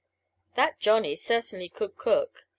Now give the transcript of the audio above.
That Johnny certainly could cook!